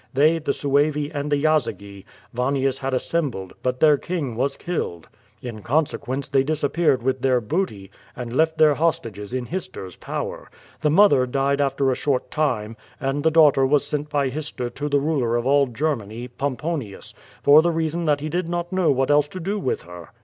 They, the Suevi and the Yazygi, Vanniiis had assem bled, but their king was killed. In consequence they dis appeared with their booty, and left their hostages in Hister's power. The mother died after a short time, and the daughter was sent by Hister to the ruler of all Germany, Pomponius, for the reason that he did not know what else to do with her.